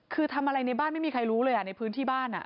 คือทำอะไรในบ้านไม่มีใครรู้เลยในพื้นที่บ้าน